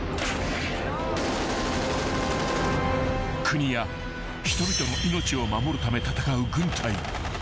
［国や人々の命を守るため戦う］